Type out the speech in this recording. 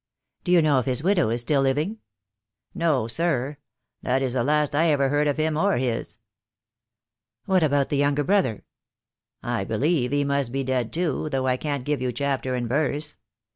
"Do you know if his widow is still living?" "No, sir. That is the last I ever heard of him or his." "What about the younger brother?" "I believe he must be dead too, though I can't give 170 THE DAY WILL COME. you chapter and verse.